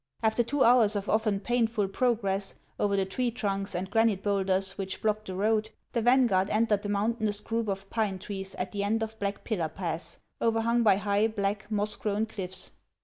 After two hours of often painful progress, over the tree trunks and granite bowlders which blocked the road, the vanguard entered the mountainous group of pine trees at HANS OF ICELAND. 387 the end of Black Pillar Pass, overhung by high, black, moss grown cliffs.